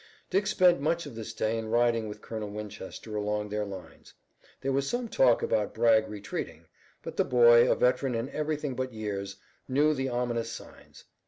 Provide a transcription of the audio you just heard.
Dick spent much of this day in riding with Colonel Winchester along their lines. There was some talk about Bragg retreating, but the boy, a veteran in everything but years, knew the ominous signs.